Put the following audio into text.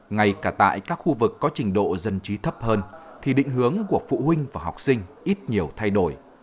ngay cả tại các khu vực có trình độ dân trí thấp hơn thì định hướng của phụ huynh và học sinh ít nhiều thay đổi